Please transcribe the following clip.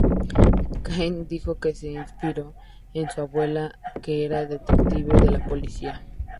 Kane dijo que se inspiró en su abuela, que era detective de la policía.